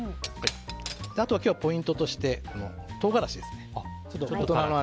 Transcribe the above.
あとは今日はポイントとして唐辛子ですね。